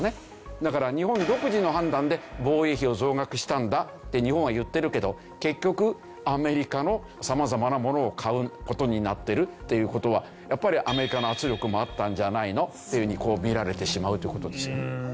だから日本独自の判断で防衛費を増額したんだって日本は言ってるけど結局アメリカの様々なものを買う事になってるっていう事はやっぱりアメリカの圧力もあったんじゃないのっていうふうに見られてしまうという事ですよね。